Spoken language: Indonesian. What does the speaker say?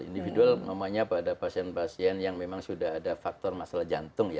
individual namanya pada pasien pasien yang memang sudah ada faktor masalah jantung ya